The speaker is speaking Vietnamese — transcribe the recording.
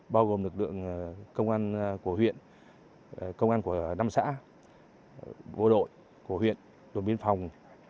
bao gồm lực lượng công an của huyện công an của năm xã bộ đội của huyện đội biên phòng